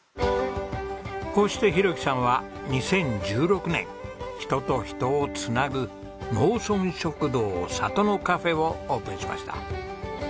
こうして浩樹さんは２０１６年人と人を繋ぐ農村食堂里のカフェをオープンしました。